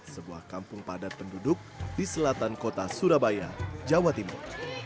sebuah kampung padat penduduk di selatan kota surabaya jawa timur